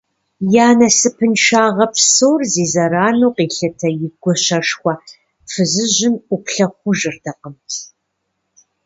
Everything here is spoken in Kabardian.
Я насыпыншагъэ псор зи зэрану къилъытэ и гуащэшхуэ фызыжьым ӏуплъэ хъужыртэкъым.